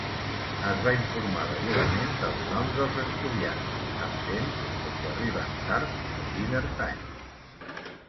Es va informar degudament dels noms dels estudiants absents o que arriben tard al Beemer Times.